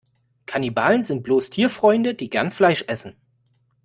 Kannibalen sind bloß Tierfreunde, die gern Fleisch essen.